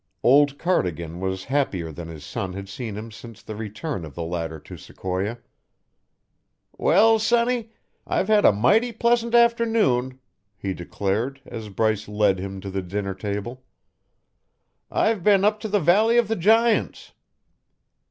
Old Cardigan was happier than his son had seen him since the return of the latter to Sequoia. "Well, sonny, I've had a mighty pleasant afternoon," he declared as Bryce led him to the dinner table. "I've been up to the Valley of the Giants."